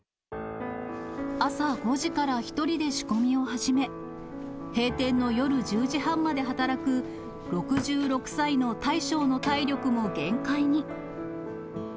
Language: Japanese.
朝５時から１人で仕込みを始め、閉店の夜１０時半まで働く６６歳の大将の体力も限界に。